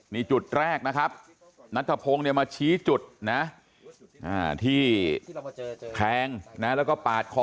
มีจุดแรกนะครับณทภพงษ์เนี่ยมาชี้จุดที่แพงแล้วก็ปาดคอ